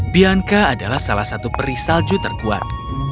bianka adalah salah satu peri salju terkuat